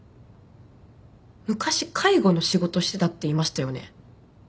「昔介護の仕事してた」って言いましたよね。